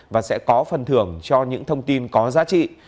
và sẽ có phần thưởng cho những thông tin có giá trị